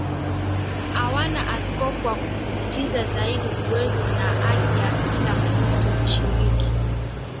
hawana Askofu wakisisitiza zaidi uwezo na haki ya kila Mkristo kushiriki